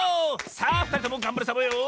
さあふたりともがんばるサボよ。